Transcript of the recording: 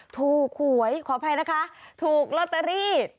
ถูกหวยขออภัยนะคะถูกลอตเตอรี่